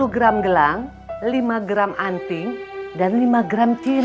sepuluh gram gelang lima gram anting dan lima gram ciri